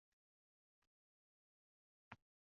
Imom va uning ayoli juda oliyjanob insonlar ekan